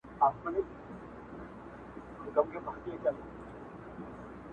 کنعان خوږ دی قاسم یاره د یوسف له شرافته,